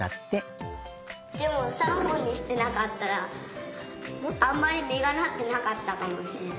でも３本にしてなかったらあんまりみがなってなかったかもしれない。